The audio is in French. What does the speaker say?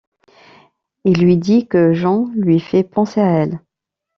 Il lui dit que Jen lui fait penser à elle.